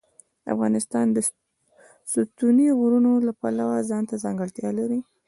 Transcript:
افغانستان د ستوني غرونه د پلوه ځانته ځانګړتیا لري.